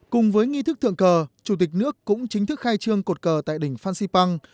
cùng với nghi thức thượng cờ chủ tịch nước cũng chính thức khai trương cột cờ tại đỉnh phan xipang